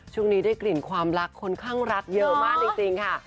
ช่วงนี้ได้กลิ่นความรักค่อนข้างรักเยอะมากจริงค่ะ